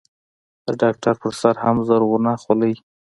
د ډاکتر پر سر هم زرغونه خولۍ.